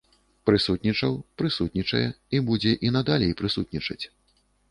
Прысутнічаў, прысутнічае і будзе і надалей прысутнічаць.